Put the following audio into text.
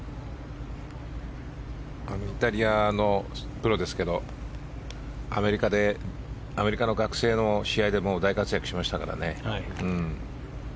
イタリアのプロですけどアメリカの学生の試合で大活躍しましたからね。